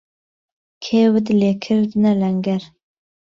کێوت لێکردنه لهنگهر